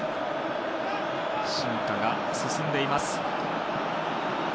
進化が進んでいます。